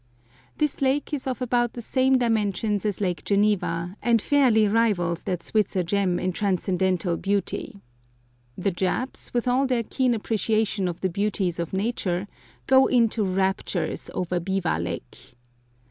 This lake is of about the same dimensions as Lake Geneva, and fairly rivals that Switzer gem in transcendental beauty. The Japs, with all their keen appreciation of the beauties of nature, go into raptures over Biwa Lake.